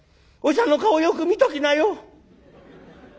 おじさんの顔よく見ときなよ。